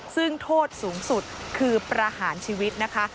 ซึ่งโทษสูงสุดคือประหารชีวิตนะคะ